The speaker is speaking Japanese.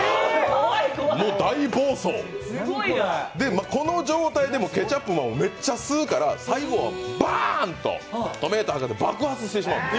大暴走、この状態でもケチャップマンをめっちゃ吸うから最後はバーンと、トメイト博士、爆発してしまう。